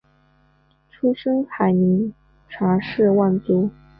出身海宁查氏望族。